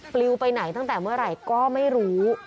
ปลิวไปไหนตั้งแต่เมื่อไหร่ก็ไม่รู้